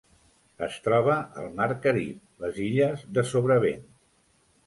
Es troba al mar Carib: les illes de Sobrevent.